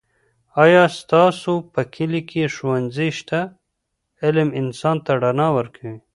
آیا ستاسو په کلي کې ښوونځی شته؟ علم انسان ته رڼا ورکوي.